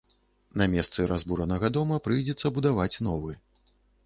На месцы разбуранага дома прыйдзецца будаваць новы.